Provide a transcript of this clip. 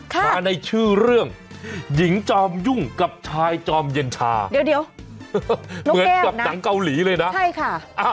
มาในชื่อเรื่องหญิงจอมยุ่งกับชายจอมเย็นชาเดี๋ยวเหมือนกับหนังเกาหลีเลยนะใช่ค่ะ